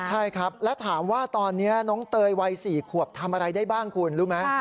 ใช่ครับแล้วถามว่าตอนนี้น้องเตยวัย๔ขวบทำอะไรได้บ้างคุณรู้ไหม